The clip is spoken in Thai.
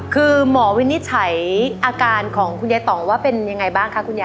คือหมอวินิจฉัยอาการของคุณยายต่องว่าเป็นยังไงบ้างคะคุณยาย